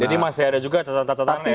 jadi masih ada juga catatan catatannya ya